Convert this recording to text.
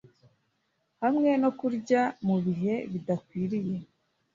hamwe no kurya mu bihe bidakwiriye.